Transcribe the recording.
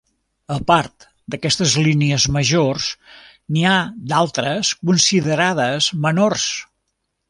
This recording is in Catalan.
A part d'aquestes línies majors, n'hi ha d'altres considerades menors.